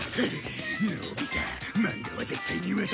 のび太漫画は絶対に渡さねえぞ！